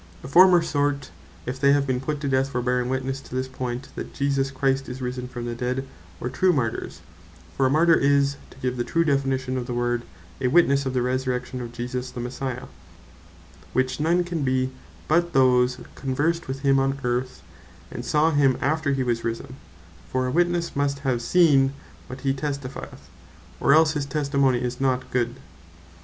The former sort, if they have been put to death, for bearing witnesse to this point, that Jesus Christ is risen from the dead, were true Martyrs; For a Martyr is, (to give the true definition of the word) a Witnesse of the Resurrection of Jesus the Messiah; which none can be but those that conversed with him on earth, and saw him after he was risen: For a Witnesse must have seen what he testifieth, or else his testimony is not good.